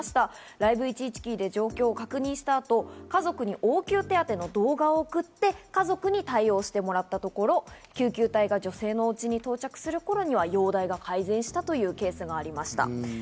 Ｌｉｖｅ１１９で状況を確認した後、家族に応急手当の動画を送って、家族に対応してもらったところ、救急隊が女性のおうちに到着する頃には容体が改善したというケースがありました。